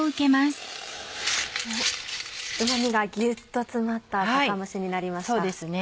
うま味がギュっと詰まった酒蒸しになりました。